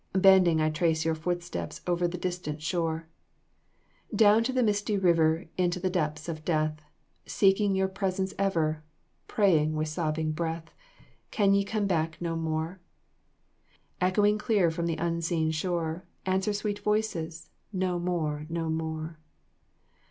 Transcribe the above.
Bending I trace your footsteps Over the distant shore; Down to the misty river, Into the depths of death, Seeking your presence ever, Praying with sobbing breath, "Can ye come back no more?" Echoing clear from the unseen shore, Answer sweet voices "No more, no more!"